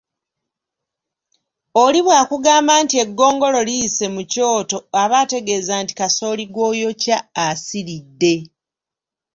Oli bw'akugamba nti eggongolo liyise mu kyoto aba ategeeza nti kasooli gw'oyokya asiridde